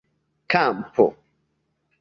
kampo